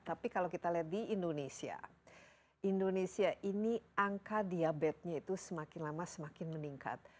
tapi kalau kita lihat di indonesia indonesia ini angka diabetesnya itu semakin lama semakin meningkat